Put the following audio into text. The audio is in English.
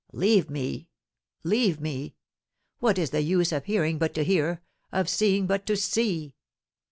"Leave me, leave me! What is the use of hearing but to hear, of seeing but to see?"